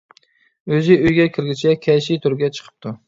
ئۆزى ئۆيگە كىرگىچە كەشى تۆرگە چىقىپتۇ.